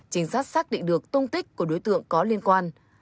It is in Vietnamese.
trinh sát xác định được tung tích của đối tượng có liên quan